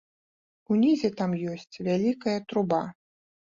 Унізе там ёсць вялікая труба.